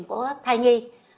của thai nhi